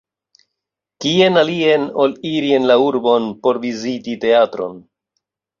Kien alien ol iri en la urbon por viziti teatron?